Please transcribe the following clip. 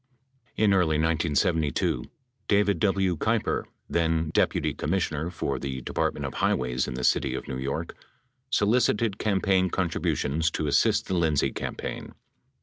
In early 1972, David W. Keiper, then deputy commissioner for the department of highways in the city of New York, solicited campaign contributions to assist the Lindsay campaign.